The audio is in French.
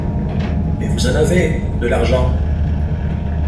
Mais vous en avez, de l'argent!